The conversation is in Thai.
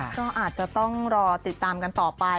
ก็อาจจะต้องรอติดตามกันต่อไป